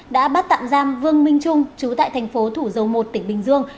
đã bắt tạm giam vương minh trung chú tại thành phố thủ dầu một tỉnh bình dương